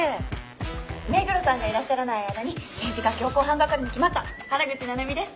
目黒さんがいらっしゃらない間に刑事課強行犯係に来ました原口奈々美です。